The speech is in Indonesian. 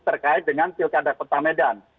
terkait dengan pilkada kota medan